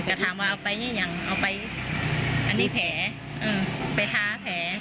กะถามว่าเอาไปอย่างเอาไปอันนี้แผลอืมไปท้าแผล